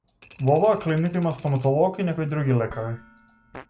Во оваа клиника има стоматолог и некои други лекари.